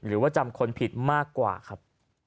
หรือว่าจำคนผิดมากกว่าครับ